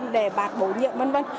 để bạt bổ nhiệm v v